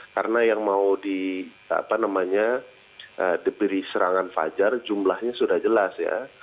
karena yang mau diberi serangan fajar jumlahnya sudah jelas ya